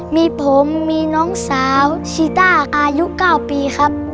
มีผมมีน้องสาวชีต้าอายุ๙ปีครับ